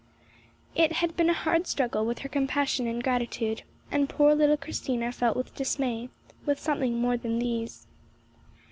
It had been a hard struggle with her compassion and gratitude, and, poor little Christina felt with dismay, with something more than these.